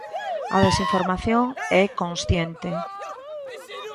A desinformación é consciente.